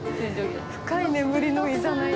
深い眠りのいざない。